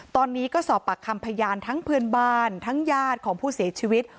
ตอนนี้ก็สอบปากคำพยานทั้งเพื่อนบ้านทั้งญาติของผู้เสียชีวิต